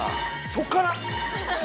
◆そこから？